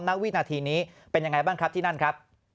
ณวินาทีนี้เป็นยังไงบ้างครับที่นั่นครับ